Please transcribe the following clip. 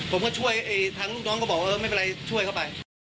ทางลูกน้องก็บอกไม่เป็นไรร่วมช่วยเขาไป